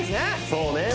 そうね